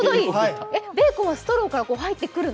ベーコンはストローから入ってくるの？